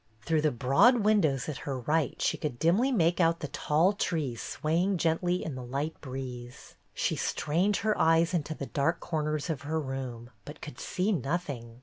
Through the broad windows at her right she could dimly make out the tall trees swaying gently in the light breeze. She strained her eyes into the dark corners of her room, but could see nothing.